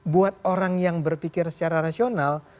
buat orang yang berpikir secara rasional